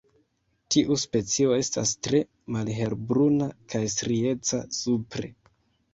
Tiu specio estas tre malhelbruna kaj strieca supre.